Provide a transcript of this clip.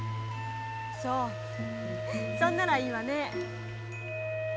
そうそんならいいわね。